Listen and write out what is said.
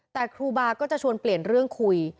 แต่ครูบาก็จะชวนเปลี่ยนเรื่องคุย